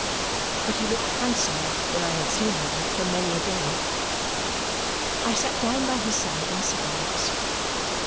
But he looked handsomer than I had seen him look for many a day. I sat down by his side in silence.